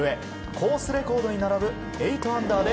コースレコードに並ぶ８アンダーで